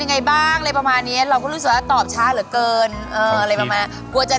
นั่งกินอิติมมองหน้ากันมันก็ช้า